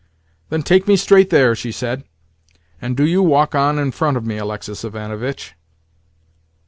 "Then take me straight there," she said, "and do you walk on in front of me, Alexis Ivanovitch."